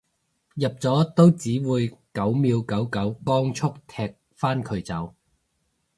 入咗都只會九秒九九光速踢返佢走